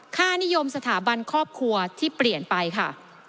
ค่านิยมสถาบันครอบครัวที่เปลี่ยนไปค่ะ